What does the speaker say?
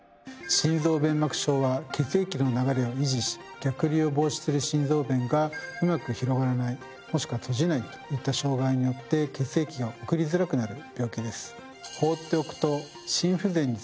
心臓弁膜症は血液の流れを維持し逆流を防止する心臓弁がうまく広がらないもしくは閉じないといった障害によって血液が送りづらくなる病気です。